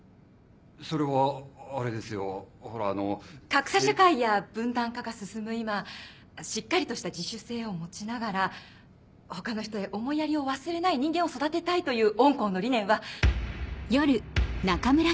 格差社会や分断化が進む今しっかりとした自主性を持ちながら他の人へ思いやりを忘れない人間を育てたいという御校の理念は。